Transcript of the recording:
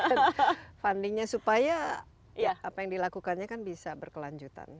dari segi fundingnya supaya apa yang dilakukannya kan bisa berkelanjutan